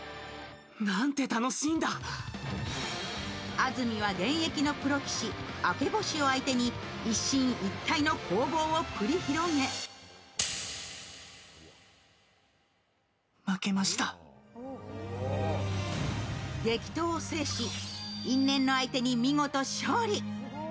安住は現役のプロ棋士・明星を相手に一進一退の攻防を繰り広げ激闘を制し、因縁の相手に見事勝利。